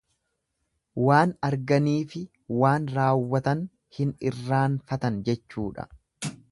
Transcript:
Waan arganiifi waan raawwatan hin irraanfatan jechuudha.